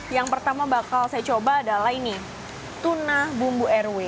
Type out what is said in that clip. yang pertama bakal saya coba adalah ini tuna bumbu rw